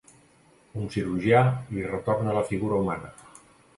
Un cirurgià li retorna la figura humana.